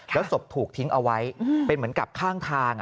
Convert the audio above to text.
แล้วศพถูกทิ้งเอาไว้เป็นเหมือนกับข้างทาง